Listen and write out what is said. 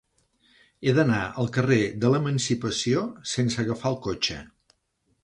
He d'anar al carrer de l'Emancipació sense agafar el cotxe.